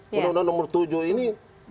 undang undang nomor tujuh ini